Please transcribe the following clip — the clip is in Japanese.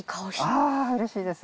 あぁうれしいです。